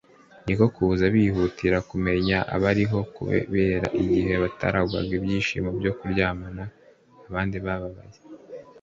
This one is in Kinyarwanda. niko kuza bihutira kumenya abaribo kubera igihe bataraga ibyishimo byo kuryamana abandi bababaye